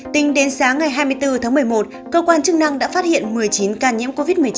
tính đến sáng ngày hai mươi bốn tháng một mươi một cơ quan chức năng đã phát hiện một mươi chín ca nhiễm covid một mươi chín